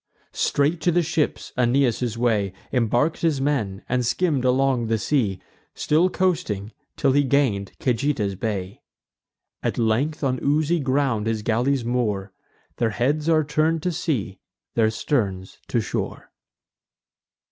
Straight to the ships Aeneas took his way, Embark'd his men, and skimm'd along the sea, Still coasting, till he gain'd Cajeta's bay. At length on oozy ground his galleys moor; Their heads are turn'd to sea, their sterns to shore.